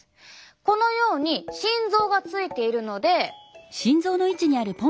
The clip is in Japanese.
このように心臓がついているので。